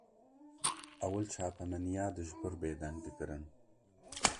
Ewil çapemeniya dijber bêdeng dikirin